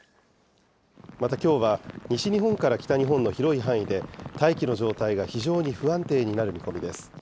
またきょうは、西日本から北日本の広い範囲で大気の状態が非常に不安定になる見込みです。